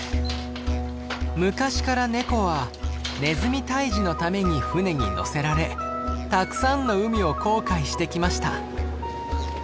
昔からネコはネズミ退治のために船に乗せられたくさんの海を航海してきました。